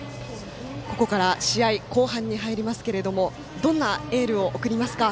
ここから試合後半に入りますがどんなエールを送りますか。